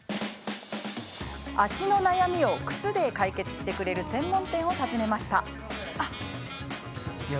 足の悩みを靴で解決してくれる専門店を訪ねました。